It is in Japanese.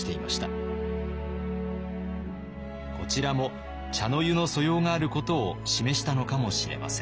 こちらも茶の湯の素養があることを示したのかもしれません。